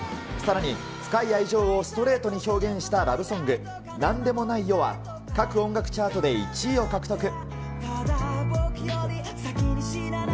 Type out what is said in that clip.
さらに深い愛情をストレートに表現したラブソング、なんでもないよ、は各音楽チャートで１位を獲得。